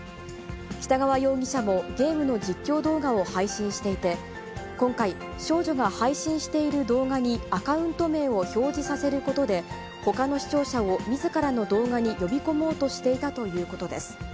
北川容疑者もゲームの実況動画を配信していて、今回、少女が配信している動画にアカウント名を表示させることで、ほかの視聴者をみずからの動画に呼び込もうとしていたということです。